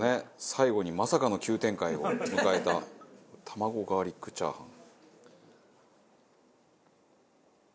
最後にまさかの急展開を迎えた卵ガーリックチャーハン。